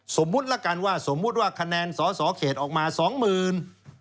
สมมุติละกันว่าขนาดสอสอเขตออกมา๒หมื่น